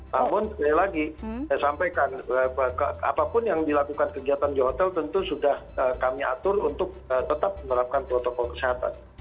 namun sekali lagi saya sampaikan apapun yang dilakukan kegiatan di hotel tentu sudah kami atur untuk tetap menerapkan protokol kesehatan